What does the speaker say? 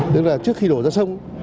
tức là trước khi đổ ra sông